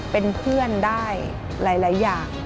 เป็นเพื่อนได้หลายอย่าง